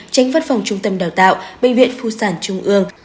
tránh vất phòng trung tâm đào tạo bệnh viện phu sản trung ương